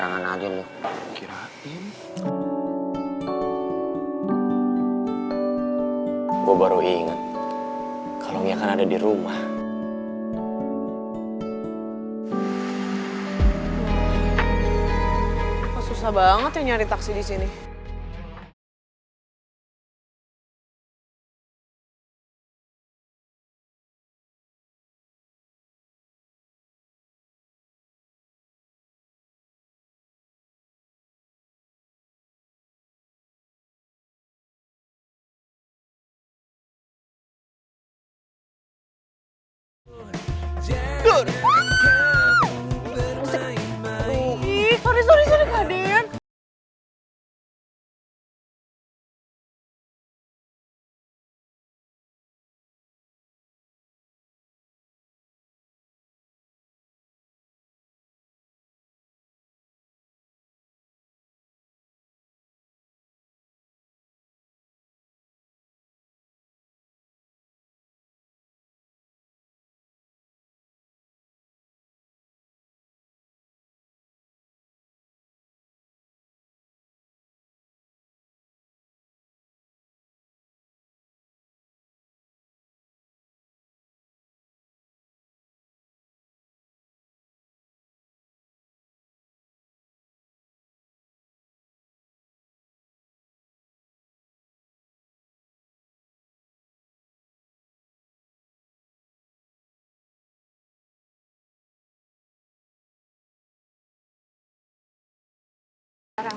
kalau jadi kabar tidak mungkin saya halets breakd femjung